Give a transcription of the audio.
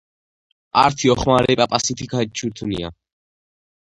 ართი ოხვამერი პაპასითი ქააჩირთუნია